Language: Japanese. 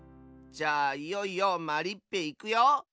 じゃあいよいよまりっぺいくよ！